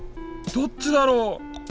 どっちだろう？